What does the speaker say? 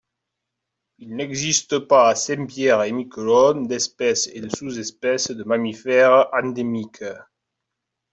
Il n'existe pas à Saint-Pierre-et-Miquelon d'espèce et de sous-espèce de mammifère endémique.